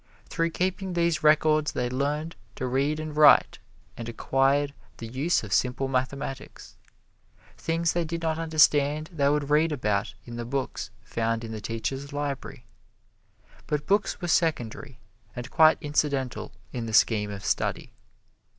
Through keeping these records they learned to read and write and acquired the use of simple mathematics. Things they did not understand they would read about in the books found in the teacher's library. But books were secondary and quite incidental in the scheme of study.